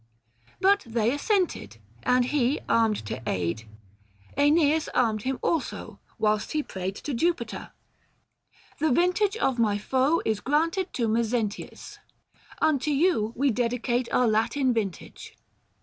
But they assented, and he armed to aid. iEneas armed him also, whilst he prayed To Jupiter :" The vintage of my foe Is granted to Mezentius. Unto you 1040 138 THE FASTI. Book IV. We dedicate our Latin vintage."